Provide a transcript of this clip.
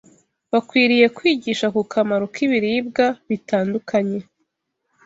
bakwiriye kwigisha ku kamaro k’ibiribwa bitandukanye